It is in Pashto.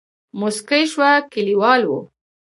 موسکۍ شوه کليوال وو.